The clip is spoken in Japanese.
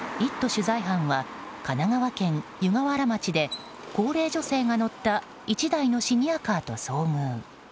取材班は神奈川県湯河原町で高齢女性が乗った１台のシニアカーと遭遇。